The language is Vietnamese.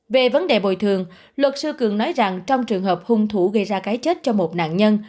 về vấn đề bồi thường luật sư cường nói rằng trong trường hợp hung thủ gây ra cái chết cho một nạn nhân